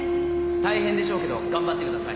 「大変でしょうけど頑張ってください」